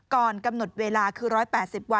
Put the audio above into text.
ก่อนกำหนดเวลาคือ๑๘๐วัน